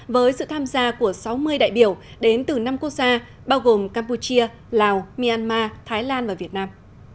với sự tham gia của sáu mươi đại biểu đến từ năm quốc gia bao gồm campuchia lào myanmar thái lan và việt nam